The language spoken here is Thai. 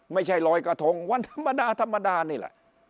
ไม่ใช่รอยกะทงวันธรรมดานี่แหละ